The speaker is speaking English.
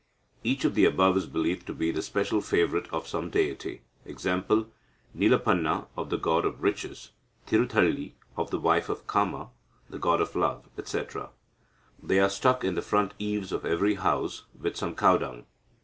"Each of the above is believed to be the special favourite of some deity, e.g., Nilappana of the god of riches, Thiruthali of the wife of Kama, the god of love, etc. They are stuck in the front eaves of every house with some cow dung.